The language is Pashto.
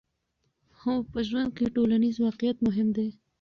هو، په ژوند کې ټولنیز واقعیت مهم دی.